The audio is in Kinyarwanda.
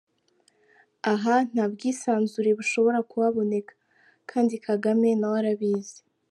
Aha nta bwisanzure bushobora kuhaboneka, kandi Kagame na we arabizi.